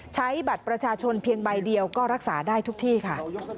ใช้บัตรประชาชนเพียงใบเดียวก็รักษาได้ทุกที่ค่ะ